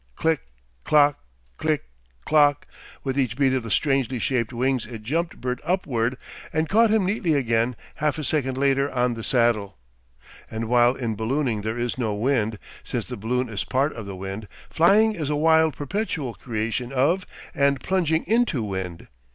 Click, clock, click, clock; with each beat of the strangely shaped wings it jumped Bert upward and caught him neatly again half a second later on the saddle. And while in ballooning there is no wind, since the balloon is a part of the wind, flying is a wild perpetual creation of and plunging into wind.